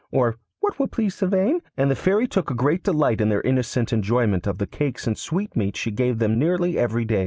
or, 'What will please Sylvain?' And the Fairy took a great delight in their innocent enjoyment of the cakes and sweetmeats she gave them nearly every day.